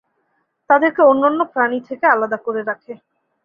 তাদেরকে অন্যান্য প্রাণী থেকে আলাদা করে রাখে।